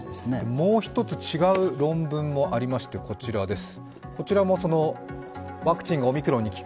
もう一つ違う論文もありましてこちらです。